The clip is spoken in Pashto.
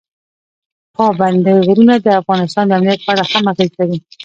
پابندی غرونه د افغانستان د امنیت په اړه هم اغېز لري.